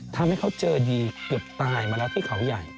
ทำให้เขาเจอดีเกือบตายมาแล้วที่เขาใหญ่